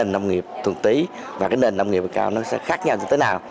cái nền nông nghiệp thuần tí và cái nền nông nghiệp cao nó sẽ khác nhau như thế nào